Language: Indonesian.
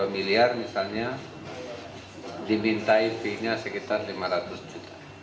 misalnya dimintai pinya sekitar lima ratus juta